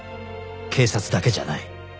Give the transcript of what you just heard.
警察だけじゃない